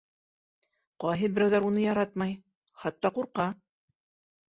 Ҡайһы берәүҙәр уны яратмай, хатта ҡурҡа.